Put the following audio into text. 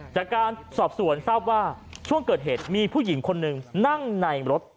จากการสอบสวนทราบว่าช่วงเกิดเหตุมีผู้หญิงคนหนึ่งนั่งในรถ